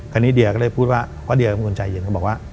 คราวนี้เดียก็ได้พูดว่าเดียก็อุ่นใจเย็นก็บอกว่า